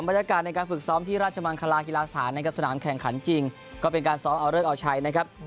บรรยากาศในการฝึกซ้อมที่ราชมังคลาฮิลาสถานนะครับสนามแข่งขันจริงก็เป็นการซ้อมเอาเลิกเอาใช้นะครับ